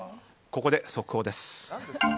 ここで速報です。